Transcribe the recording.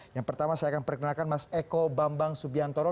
yang pertama saya akan perkenalkan mas eko bambang subiantoro